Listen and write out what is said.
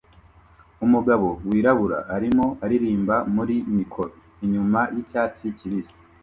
Umugabo wirabura arimo aririmba muri mikoro inyuma yicyatsi kibisi